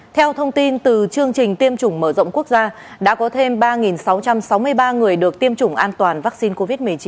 theo thông tin từ chương trình tiêm chủng mở rộng quốc gia đã có thêm ba sáu trăm sáu mươi ba người được tiêm chủng an toàn vaccine covid một mươi chín